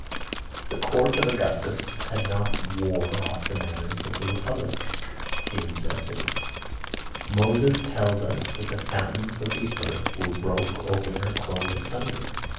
"The Court of Augustus had not wore off the manners of the republic" Hume's Essays. "Moses tells us that the fountains of the earth were broke open or clove asunder."